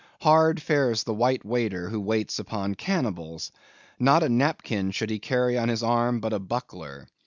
hard fares the white waiter who waits upon cannibals. Not a napkin should he carry on his arm, but a buckler.